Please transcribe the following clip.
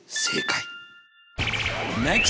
正解。